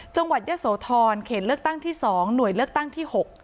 จังหวัดยะโสธรเขตเลือกตั้งที่๒หน่วยเลือกตั้งที่๖